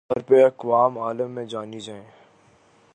طور پہ اقوام عالم میں جانی جائیں